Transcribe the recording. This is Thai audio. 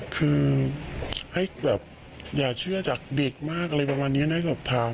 คือให้แบบอย่าเชื่อจากเด็กมากอะไรประมาณนี้น่าจะสอบถาม